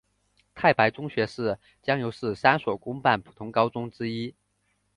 太白中学是江油市三所公办普通高中之一。